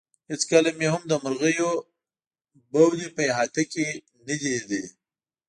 هېڅکله مې هم د مرغیو بول په احاطه کې نه دي لیدلي.